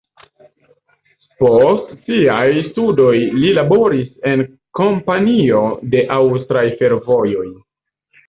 Post siaj studoj li laboris en Kompanio de Aŭstraj Fervojoj.